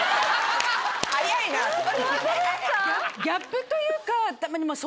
ギャップというかたまに。